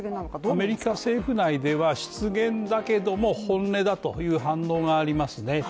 アメリカ政府内では、失言だけども本音だという反応がありますね。